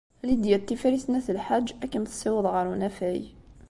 Lidya n Tifrit n At Lḥaǧ ad kem-tessiweḍ ɣer unafag.